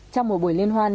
trong một buổi liên hoan